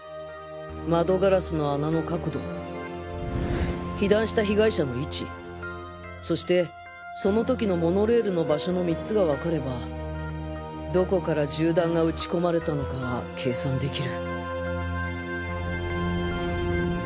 窓ガラスの穴の角度被弾した被害者の位置そしてその時のモノレールの場所の３つがわかればどこから銃弾が撃ち込まれたのかは計算できる